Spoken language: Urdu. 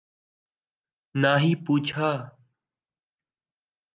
نہ ہی پوچھا